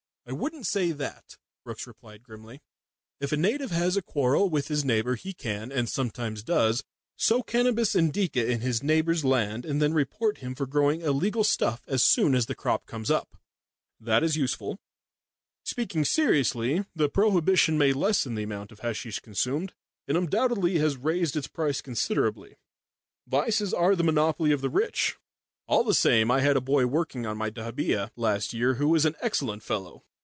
"I wouldn't say that," Brookes replied grimly. "If a native has a quarrel with his neighbour, he can and sometimes does sow cannabis Indica on his neighbour's land and then report him for growing illegal stuff as soon as the crop comes up. That is useful. Speaking seriously, the prohibition may lessen the amount of hasheesh consumed, and undoubtedly has raised its price considerably vices are the monopoly of the rich. All the same, I had a boy working on my dahabeeah last year who was an excellent fellow.